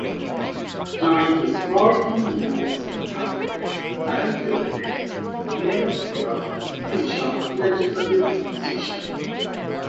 During his fourteen years in parliament, Vankoughnet never held an official legislative position.